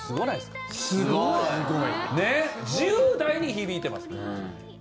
すごい！１０代に響いてます。